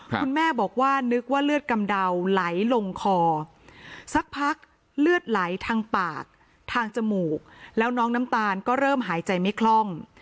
คุณแม่บอกว่านึกว่าเลือดกำเดาไหลลงคอสักพักเลือดไหลทางปากทางจมูกแล้วน้องน้ำตาลก็เริ่มหายใจไม่คล่อง